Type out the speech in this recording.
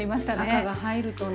赤が入るとね。